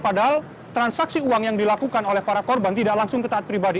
padahal transaksi uang yang dilakukan oleh para korban tidak langsung ke taat pribadi